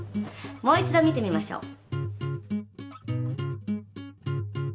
もう一度見てみましょう。